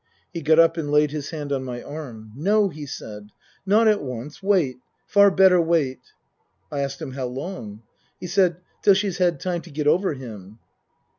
He got up and laid his hand on my arm. " No," he said. " Not at once. Wait. Far better wait." I asked him, " How long ?" He said, " Till she's had time to get over him."